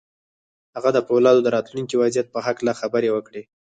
هغه د پولادو د راتلونکي وضعیت په هکله خبرې وکړې